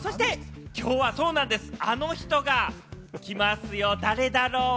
今日はあの人がきますよ、誰だろう？